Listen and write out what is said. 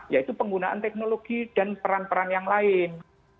yaitu penggunaan teknologi dan peran peran yang lain